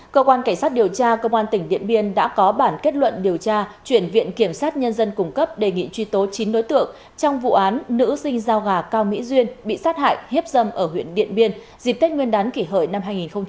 cơ quan cảnh sát điều tra công an tỉnh điện biên đã có bản kết luận điều tra chuyển viện kiểm sát nhân dân cung cấp đề nghị truy tố chín đối tượng trong vụ án nữ sinh giao gà cao mỹ duyên bị sát hại hiếp dâm ở huyện điện biên dịp tết nguyên đán kỷ hợi năm hai nghìn một mươi chín